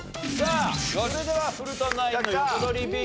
それでは古田ナインの横取りビンゴです。